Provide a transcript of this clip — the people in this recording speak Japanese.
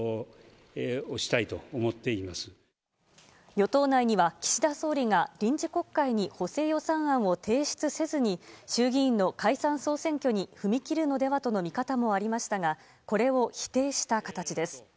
与党内には岸田総理が臨時国会に補正予算案を提出せずに衆議院の解散・総選挙に踏み切るのではとの見方もありましたがこれを否定した形です。